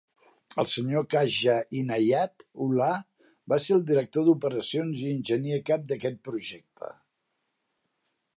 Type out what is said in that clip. El senyor Khaja Inayath ullah va ser el director d'operacions i enginyer cap d'aquest projecte.